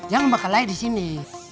jangan bakal layak di sini